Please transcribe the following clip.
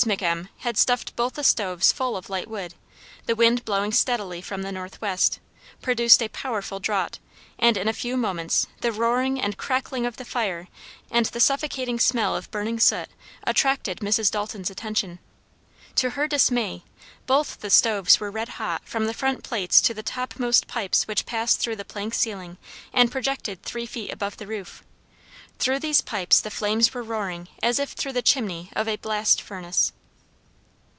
McM. had stuffed both the stoves full of light wood; the wind blowing steadily from the northwest, produced a powerful draught, and in a few moments the roaring and crackling of the fire and the suffocating smell of burning soot attracted Mrs. Dalton's attention. To her dismay, both the stoves were red hot from the front plates to the topmost pipes which passed through the plank ceiling and projected three feet above the roof. Through these pipes the flames were roaring as if through the chimney of a blast furnace.